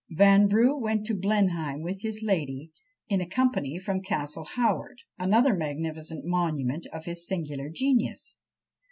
Vanbrugh went to Blenheim with his lady, in a company from Castle Howard, another magnificent monument of his singular genius.